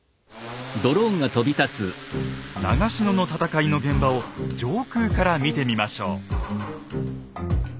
長篠の戦いの現場を上空から見てみましょう。